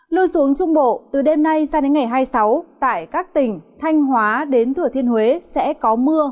lưu xuống trung bộ từ đêm nay sang đến ngày hai mươi sáu tại các tỉnh thanh hóa đến thừa thiên huế sẽ có mưa